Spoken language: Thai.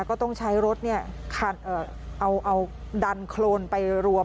ก็ต้องใช้รถเอาดันโครนไปรวม